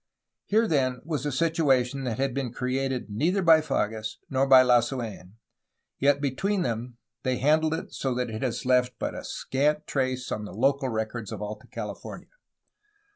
Here then was a situation that had been created neither by Fages nor by Lasu^n. Yet, between them they handled it so that it has left but a scant trace on the local records of Alta California.